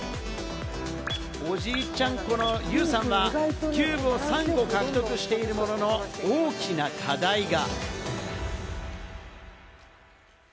おじいちゃん子のユウさんは、キューブを３個獲得しているものの大きな課題が。